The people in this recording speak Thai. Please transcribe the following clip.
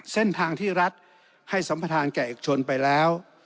เส้นทางที่รัฐให้สัมภาษณ์แก่อิกชนไปแล้ว